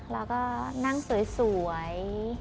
แล้วก็นั่งสวย